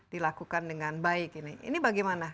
dilakukan dengan baik ini ini bagaimana